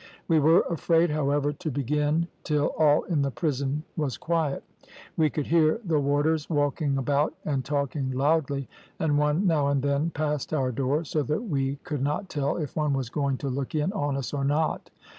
We were afraid, however, to begin till all in the prison was quiet. We could hear the warders walking about and talking loudly, and one now and then passed our door, so that we could not tell if one was going to look in on us or not.